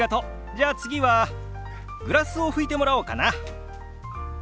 じゃあ次はグラスを拭いてもらおうかな。